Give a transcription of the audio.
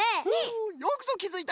よくぞきづいた！